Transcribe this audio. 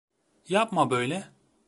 Yapma böyle.